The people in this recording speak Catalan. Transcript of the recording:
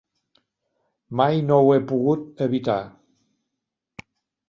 Mai no ho he pogut evitar.